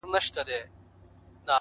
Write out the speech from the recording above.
هره لاسته راوړنه د صبر نښه لري